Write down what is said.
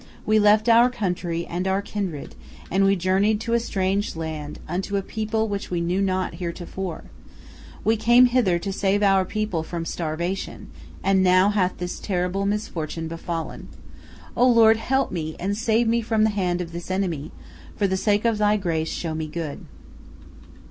We left our country and our kindred, and we journeyed to a strange land, unto a people which we knew not heretofore. We came hither to save our people from starvation, and now hath this terrible misfortune befallen. O Lord, help me and save me from the hand of this enemy, and for the sake of Thy grace show me good."